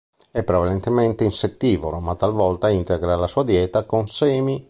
È prevalentemente insettivoro, ma talvolta integra la sua dieta con semi.